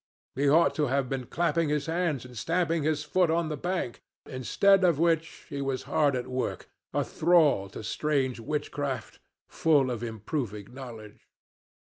He ought to have been clapping his hands and stamping his feet on the bank, instead of which he was hard at work, a thrall to strange witchcraft, full of improving knowledge.